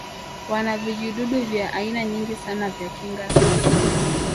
wana vijidudu vya aina nyingi sana vya kinga